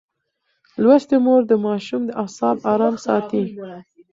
لوستې مور د ماشوم اعصاب ارام ساتي.